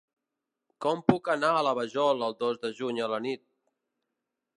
Com puc anar a la Vajol el dos de juny a la nit?